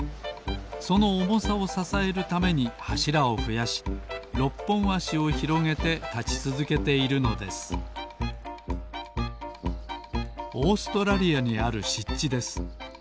そのおもさをささえるためにはしらをふやし６ぽんあしをひろげてたちつづけているのですオーストラリアにあるしっちです。